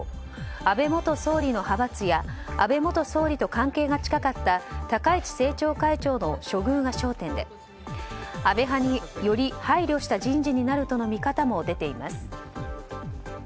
安倍元総理の派閥や安倍元総理と関係が近かった高市政調会長の処遇が焦点で安倍派により配慮した人事になるとの見方も出ています。